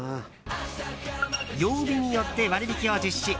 曜日によって割引を実施